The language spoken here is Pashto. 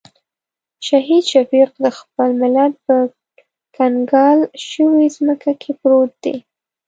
شهید شفیق د خپل ملت په کنګال شوې ځمکه کې پروت دی.